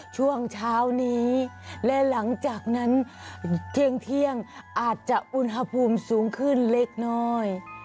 ช่วงเช้านี้และหลังจากนั้นเที่ยงอาจจะอุณหภูมิสูงขึ้นเล็กน้อย